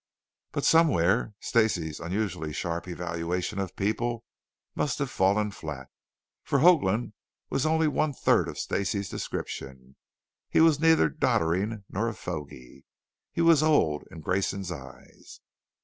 But somewhere Stacey's unusually sharp evaluation of people must have fallen flat, for Hoagland was only one third of Stacey's description. He was neither doddering nor a fogy. He was old in Grayson's eyes.